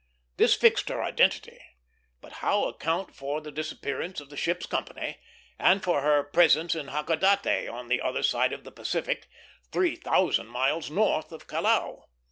This fixed her identity; but how account for the disappearance of the ship's company, and for her presence in Hakodate, on the other side of the Pacific, three thousand miles north of Callao.